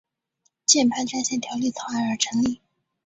键盘战线条例草案而成立。